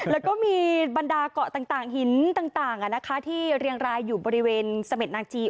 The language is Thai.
แล้วก็มีบรรดาเกาะต่างหินต่างที่เรียงรายอยู่บริเวณเสม็ดนาจีน